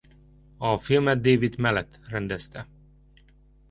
A filmet David Mallet rendezte.